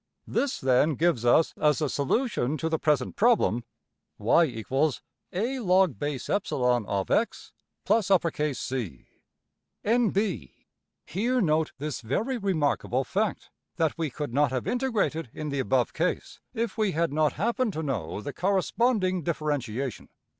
This then gives us as the solution to the present problem, \[ y = a \log_\epsilon x + C. \] \NB Here note this very remarkable fact, that we could not have integrated in the above case if we had not happened to know the corresponding differentiation.